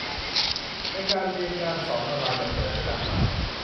ในการเรียนการสอนออนไลน์แบบเปิดที่หลากหลาย